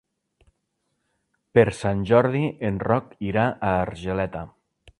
Per Sant Jordi en Roc irà a Argeleta.